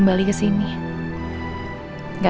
mejaichtet bisa ada